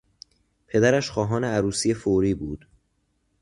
پدرش خواهان عروسی فوری بود.